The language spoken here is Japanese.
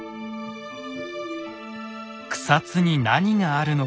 草津に何があるのか。